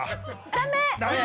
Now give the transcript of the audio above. ダメ。